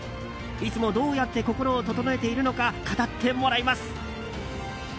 いつも、どうやって心を整えているのか語ってもらいます。